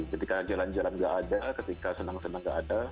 ketika jalan jalan nggak ada ketika senang senang gak ada